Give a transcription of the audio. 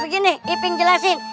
begini iping jelasin